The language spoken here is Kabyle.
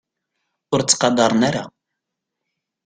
Ur ttqadaren ara.